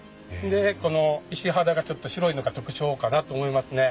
でこの石肌がちょっと白いのが特徴かなと思いますね。